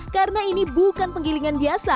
karena ini bukan penggilingan biasa